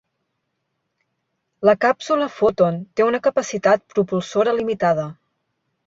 La càpsula Foton té una capacitat propulsora limitada.